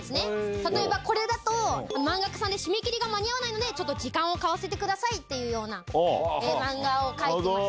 例えばこれだと、漫画家さんで締め切りが間に合わないので、ちょっと時間を買わせてくださいっていうような漫画を描いてました。